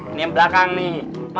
ini yang belakang nih